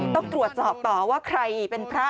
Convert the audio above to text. ต้องตรวจสอบต่อว่าใครเป็นพระ